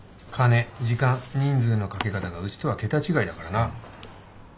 金時間人数のかけ方がうちとは桁違いだからな。